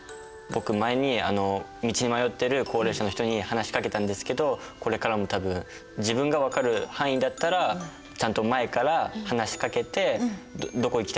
僕前に道に迷ってる高齢者の人に話しかけたんですけどこれからも多分自分が分かる範囲だったらちゃんと前から話しかけて「どこ行きたいんですか？」